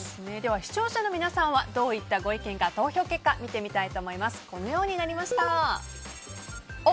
視聴者の皆さんはどういったご意見か投票結果見てみます。